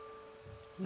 何？